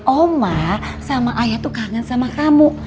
oma sama ayah tuh kangen sama kamu